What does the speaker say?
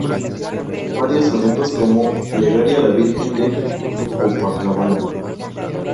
Varios sonetos como "Plegaria a la Virgen de Copacabana"